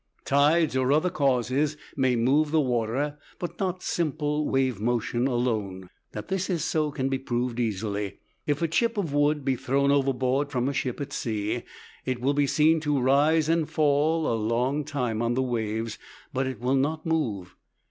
Tides or other causes may move the water, but not simple wave motion alone. That this is so can be proved easily. If a chip of wood be thrown overboard from a ship at sea it will be seen to rise and fall a long time on the waves, but it will not move.